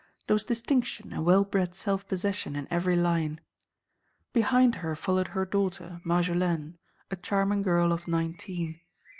There was distinction and well bred self possession in every line. Behind her followed her daughter, Marjolaine, a charming girl of nineteen.